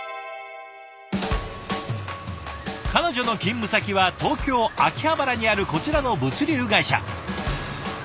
彼女の勤務先は東京・秋葉原にあるこちらの物流会社。